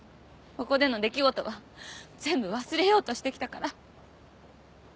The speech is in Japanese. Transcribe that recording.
ここでの出来事は全部忘れようとしてきたから。